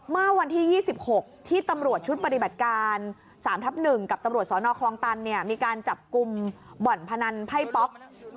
เมื่อวันที่๒๖ที่ตำรวจชุดปฏิบัติการ๓ทับ๑กับตำรวจสนคลองตันมีการจับกลุ่มบ่อนพนันไพ่ป๊อก